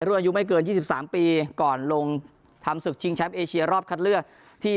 รุ่นอายุไม่เกินยี่สิบสามปีก่อนลงทำศึกชิงแชปเอเชียรอบคัดเลือกที่